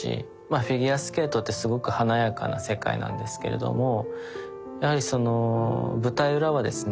フィギュアスケートってすごく華やかな世界なんですけれどもやはりその舞台裏はですね